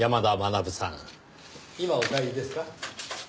今お帰りですか？